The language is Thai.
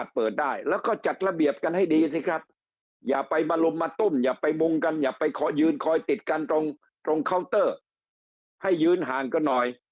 ตรงเคาน์เตอร์ให้ยืนห่างกันหน่อย